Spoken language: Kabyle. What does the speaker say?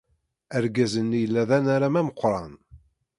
Argaz-nni yella d anaram ameqran.